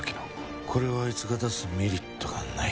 これをあいつが出すメリットがない。